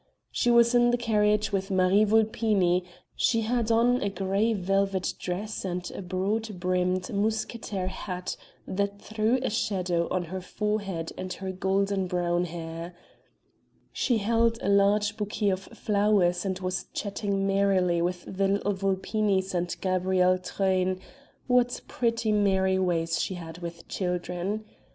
She was in the carriage with Marie Vulpini she had on a grey velvet dress and a broad brimmed mousquetaire hat that threw a shadow on her forehead and her golden brown hair; she held a large bouquet of flowers and was chatting merrily with the little Vulpinis and Gabrielle Truyn; what pretty merry ways she had with children!